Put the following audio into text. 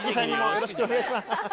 よろしくお願いします。